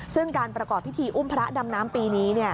ซึ่งการประกอบพิธีอุ้มพระดำน้ำปีนี้